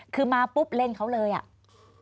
คือมาปุ๊บเล่นเขาเลยอ่ะ